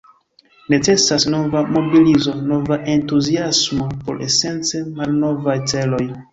Necesas nova mobilizo, nova entuziasmo por esence malnovaj celoj.